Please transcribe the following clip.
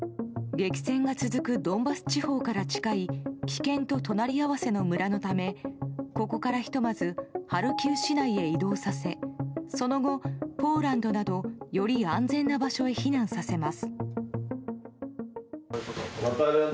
激戦が続くドンバス地方から近い危険と隣り合わせの村のためここから、ひとまずハルキウ市内へ移動させその後、ポーランドなどより安全な場所へ避難させます。